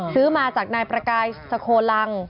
ซื้อมาจากนายประกายสโคลัง